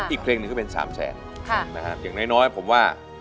อีกเครงหนึ่งก็เป็น๓๐๐๐๐๐นะครับอย่างน้อยผมว่า